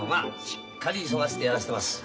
しっかり急がせてやらせてます。